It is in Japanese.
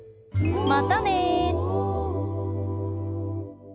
またね！